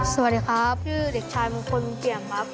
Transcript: สวัสดีครับชื่อเด็กชายมงคลเปี่ยมครับ